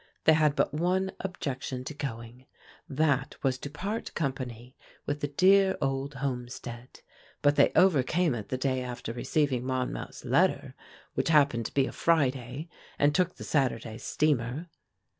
They had but one objection to going, that was to part company with the dear old homestead, but they overcame it the day after receiving Monmouth's letter, which happened to be a Friday, and took the Saturday's steamer.